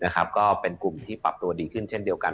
ก็เป็นกลุ่มที่ปรับตัวดีขึ้นเช่นเดียวกัน